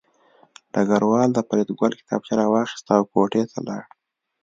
ډګروال د فریدګل کتابچه راواخیسته او کوټې ته لاړ